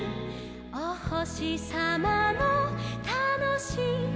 「おほしさまのたのしいはなし」